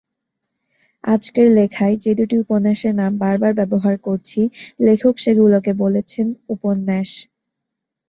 আজকের লেখায় যে দুটি উপন্যাসের নাম বারবার ব্যবহার করছি, লেখক সেগুলোকে বলছেন উপন্যাস।